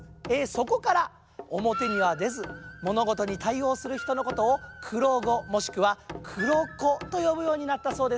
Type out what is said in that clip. そこからおもてにはでずものごとにたいおうするひとのことを「くろご」もしくは「くろこ」とよぶようになったそうですよ。